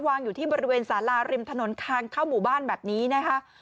วางอยู่ที่บริเวณสาราริมถนนทางเข้าหมู่บ้านแบบนี้นะคะ